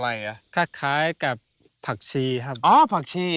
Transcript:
เพิ่งจะได้เรื่องเนียมที่สุดเท่าไหร่